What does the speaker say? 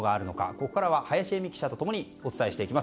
ここから林英美記者と共にお伝えしていきます。